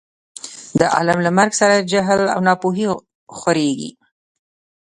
د عالم له مرګ سره جهل او نا پوهي خورېږي.